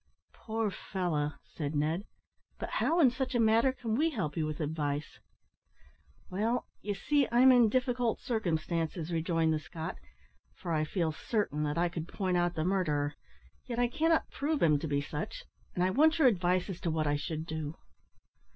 "Poor fellow!" said Ned; "but how, in such a matter, can we help you with advice?" "Well, you see I'm in difficult circumstances," rejoined the Scot, "for I feel certain that I could point out the murderer, yet I cannot prove him to be such, and I want your advice as to what I should do."